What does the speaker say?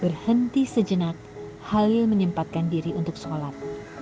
berhenti sejenak halil menyempatkan diri untuk sholat